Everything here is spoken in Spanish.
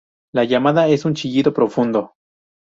La llamada es un chillido profundo.